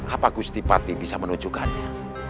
apa gusti patih bisa menunjukkannya